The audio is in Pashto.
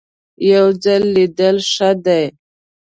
یو ځل لیدل ښه دي .